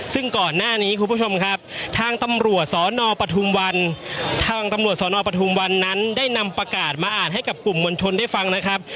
ซึ่งก่อนหน้านี้คุณผู้ชมครับทางตำรวจสนปฐุมวันทางตำรวจสนปฐุมวันนั้นได้นำประกาศมาอ่านให้กับกลุ่มมวลชนได้ฟังนะครับ